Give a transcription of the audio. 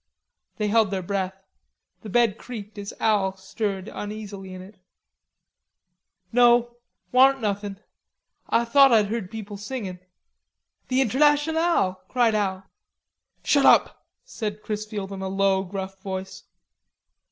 They held their breath. The bed creaked as Al stirred uneasily in it. "No, warn't anythin'; Ah'd thought Ah'd heard people singin'." "The Internationale," cried Al. "Shut up," said Chrisfield in a low gruff voice.